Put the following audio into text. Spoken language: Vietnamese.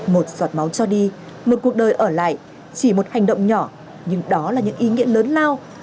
một giọt máu cho đi một cuộc đời ở lại chỉ một hành động nhỏ nhưng đó là những ý nghĩa lớn lao